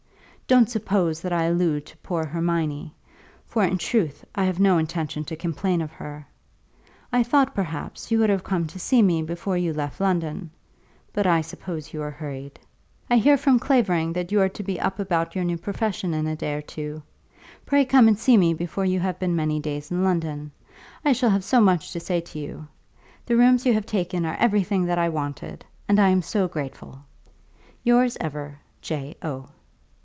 Don't suppose that I allude to poor Hermione, for, in truth, I have no intention to complain of her. I thought, perhaps, you would have come to see me before you left London; but I suppose you were hurried. I hear from Clavering that you are to be up about your new profession in a day or two. Pray come and see me before you have been many days in London. I shall have so much to say to you! The rooms you have taken are everything that I wanted, and I am so grateful! Yours ever, J. O.